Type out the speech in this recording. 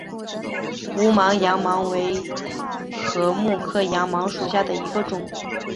无芒羊茅为禾本科羊茅属下的一个种。